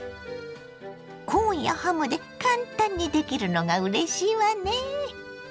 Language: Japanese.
コーンやハムで簡単にできるのがうれしいわね。